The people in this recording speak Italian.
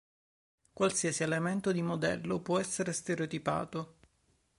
Qualsiasi elemento di modello può essere "stereotipato".